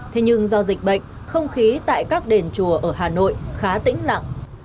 thế nhưng do dịch bệnh không khí tại các đền chùa ở hà nội khá tĩnh lặng